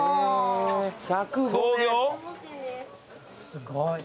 すごい。